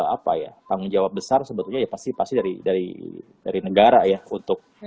apa ya tanggung jawab besar sebetulnya ya pasti pasti dari negara ya untuk